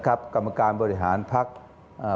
กรรมการบริหารภักดิ์